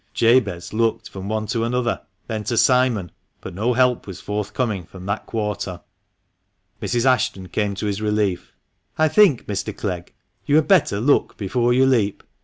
Jabez looked from one to another, then to Simon, but no help was forthcoming from that quarter. Mrs. Ashton came to his relief :" I think, Mr. Clegg, you had better 'look before you leap.'